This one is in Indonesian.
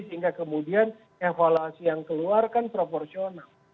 sehingga kemudian evaluasi yang keluar kan proporsional